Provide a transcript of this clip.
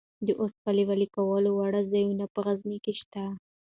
د اوسپنې ویلې کولو واړه ځایونه په غزني کې شته.